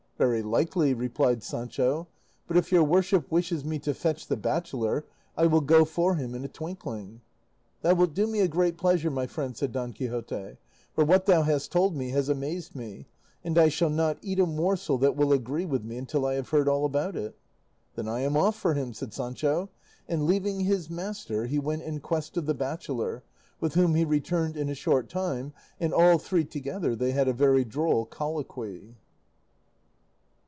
"Very likely," replied Sancho, "but if your worship wishes me to fetch the bachelor I will go for him in a twinkling." "Thou wilt do me a great pleasure, my friend," said Don Quixote, "for what thou hast told me has amazed me, and I shall not eat a morsel that will agree with me until I have heard all about it." "Then I am off for him," said Sancho; and leaving his master he went in quest of the bachelor, with whom he returned in a short time, and, all three together, they had a very droll colloquy.